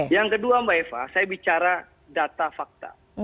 yang kedua mbak eva saya bicara data fakta